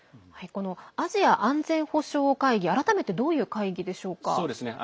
このアジア安全保障会議改めて、どういう会議ですか？